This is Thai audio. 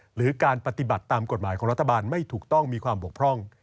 หรือการปฏิบัติตามกฎหมายของรัฐบาลไม่ถูกต้องมีความบกพร่อง